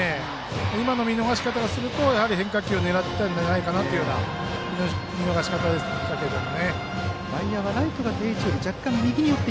今の見逃し方からするとやはり変化球を狙っていたのではないかという見逃し方でしたけども。